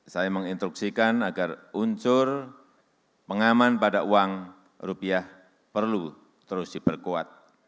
saya menginstruksikan agar unsur pengaman pada uang rupiah perlu terus diperkuat